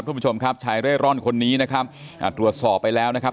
คุณผู้ชมครับชายเร่ร่อนคนนี้นะครับอ่าตรวจสอบไปแล้วนะครับ